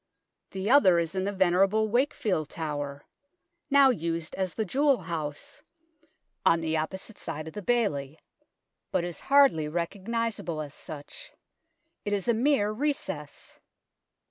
The other is in the venerable Wakefield Tower now used as the Jewel House on the opposite side of the bailey, but is hardly recognisable as such ; it is a mere recess.